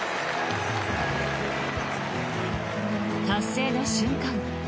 達成の瞬間